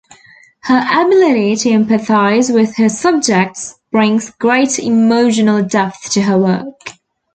Her ability to empathise with her subjects brings great emotional depth to her work.